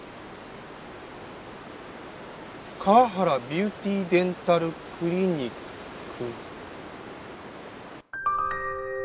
「河原ビューティーデンタルクリニック」。